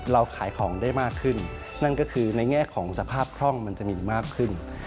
ขายของได้มากขึ้นนั่นก็คือในแง่ของสภาพคล่องมันจะมีมากขึ้น